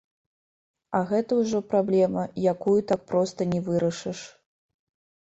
А гэта ўжо праблема, якую так проста не вырашыш.